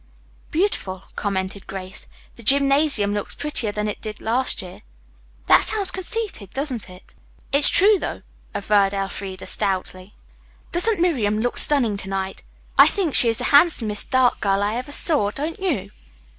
"Beautiful," commented Grace. "The gymnasium looks prettier than it did last year. That sounds conceited, doesn't it?" "It's true, though," averred Elfreda stoutly. "Doesn't Miriam look stunning to night? I think she is the handsomest dark girl I ever saw, don't you?"